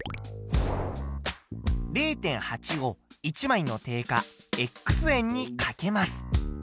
０．８を１枚の定価円にかけます。